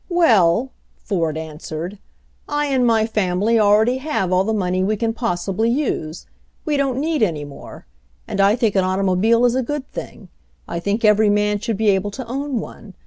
"Well," Ford answered, "I and my family al ready have all the money we can possibly use. We don't need any more. And I think an auto mobile is a good thing. I think every man should be able to own one.